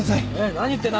何言ってんの？